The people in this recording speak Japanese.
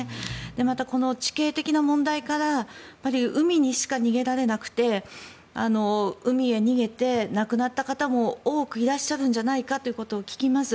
また、この地形的な問題から海にしか逃げられなくて海へ逃げて亡くなった方も多くいらっしゃるんじゃないかということを聞きます。